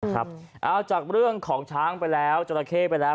ครับเอาจากเรื่องของช้างไปแล้วเจอตะเข้อยิ่งไปแล้ว